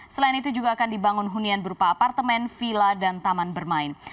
selain itu juga akan dibangun hunian berupa apartemen villa dan taman bermain